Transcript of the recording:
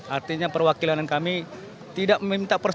artinya perwakilan kami tidak meminta